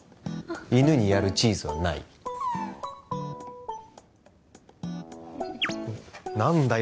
犬にやるチーズはない何だよ